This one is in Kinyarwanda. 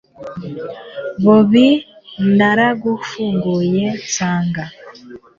bobi naragafunguye nsanga